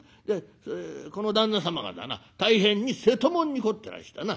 「この旦那様がだな大変に瀬戸物に凝ってらしてな」。